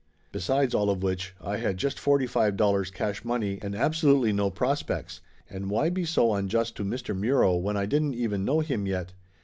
Besides all of which I had just forty five dollars cash money and absolutely no prospects, and why be so unjust to Mr. Muro when I didn't even know him yet?